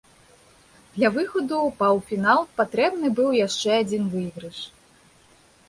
Для выхаду ў паўфінал патрэбны быў яшчэ адзін выйгрыш.